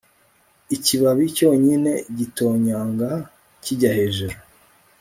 Ikibabi cyonyine gitonyanga kijya hejuru